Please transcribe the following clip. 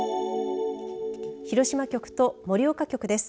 広島局と盛岡局です。